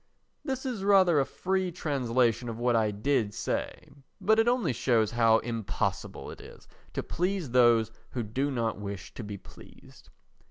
This is rather a free translation of what I did say; but it only shows how impossible it is to please those who do not wish to be pleased.